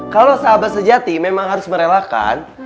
kalau sahabat sejati memang harus merelakan